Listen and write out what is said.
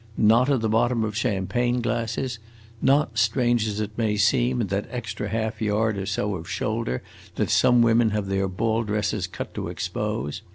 Not at the bottom of champagne glasses; not, strange as it may seem, in that extra half yard or so of shoulder that some women have their ball dresses cut to expose.